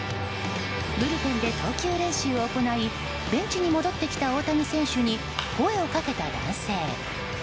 ブルペンで投球練習を行いベンチに戻ってきた大谷選手に声をかけた男性。